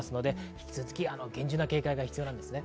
引き続き厳重な警戒が必要です。